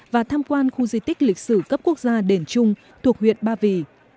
và tham quan khu di tích lịch sử cấp quốc gia đền trung thuộc huyện ba vì